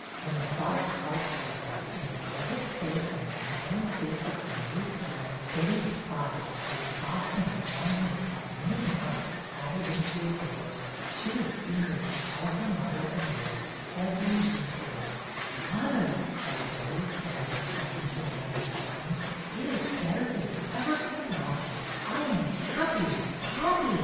When her father called for her and the door had closed on the smiling face of her new friend, Betty sighed with the exhaustion of one who has had many months crowded into a day. She was eager to tell her mother and Lois every detail. '' Mother," cried Betty, throwing herself into her mother's arms, it is better than you ever could imagine! I am happy, happy!